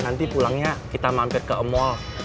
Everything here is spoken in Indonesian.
nanti pulangnya kita mampet ke emol